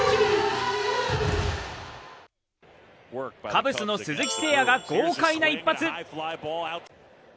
カブスの鈴木誠也が豪快な一発。